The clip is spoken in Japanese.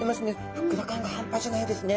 ふっくら感が半端じゃないですね。